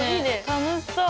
楽しそう！